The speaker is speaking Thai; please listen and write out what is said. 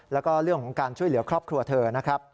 แล้วก็เรื่องของการช่วยเหลือครอบครัวเธอนะครับ